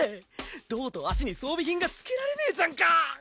胴と足に装備品が着けられねぇじゃんか！